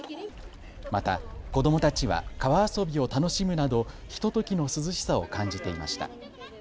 また子どもたちは川遊びを楽しむなど、ひとときの涼しさを感じていました。